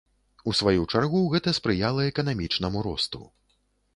У сваю чаргу, гэта спрыяла эканамічнаму росту.